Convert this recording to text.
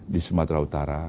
di sumatera utara